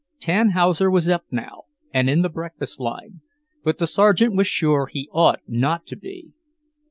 Tannhauser was up now, and in the breakfast line, but the sergeant was sure he ought not to be.